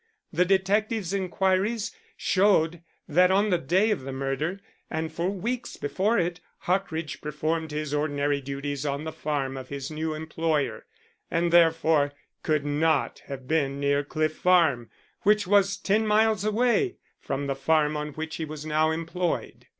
The detective's inquiries showed that on the day of the murder, and for weeks before it, Hockridge performed his ordinary duties on the farm of his new employer, and therefore could not have been near Cliff Farm, which was ten miles away from the farm on which he was now employed.